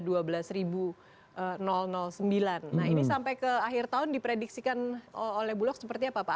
nah ini sampai ke akhir tahun diprediksikan oleh bulog seperti apa pak